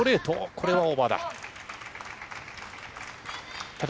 これはオーバーだ。